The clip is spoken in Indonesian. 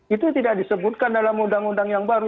itu tidak disebutkan dalam undang undang yang baru